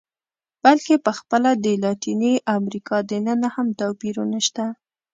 بلکې په خپله د لاتینې امریکا دننه هم توپیرونه شته.